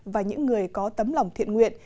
và những người có tấm lòng thiện nguyện